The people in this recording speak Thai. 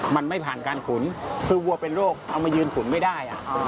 มันไม่ผ่านการขุนคือวัวเป็นโรคเอามายืนขุนไม่ได้